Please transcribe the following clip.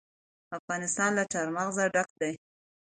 افغانستان له چار مغز ډک دی.